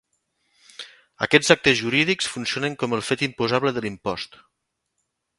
Aquests actes jurídics funcionen com el fet imposable de l'impost.